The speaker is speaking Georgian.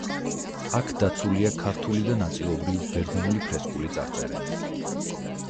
აქ დაცულია ქართული და ნაწილობრივ ბერძნული ფრესკული წარწერები.